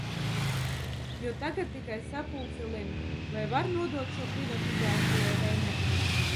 Jo tagad tikai sapulce lemj, vai var nodot šo privatizācijai vai ne.